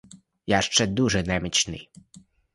Я ще дуже немічний.